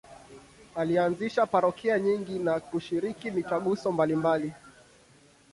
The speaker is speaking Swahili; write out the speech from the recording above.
Alianzisha parokia nyingi na kushiriki mitaguso mbalimbali.